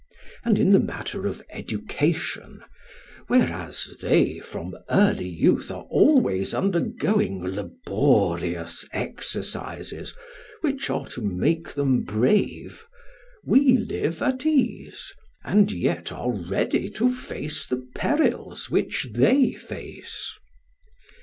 And in the matter of education, whereas they from early youth are always undergoing laborious exercises which are to make them brave, we live at ease, and yet are ready to face the perils which they face.